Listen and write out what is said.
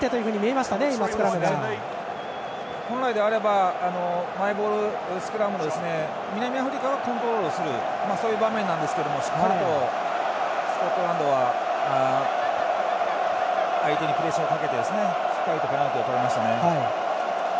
本来であればマイボールスクラムだったので南アフリカがコントロールするそういう場面なんですけどしっかりとスコットランドは相手にプレッシャーをかけてペナルティーをとりましたね。